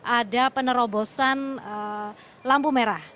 ada penerobosan lampu merah